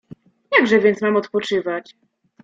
"Jakże więc mam odpoczywać?"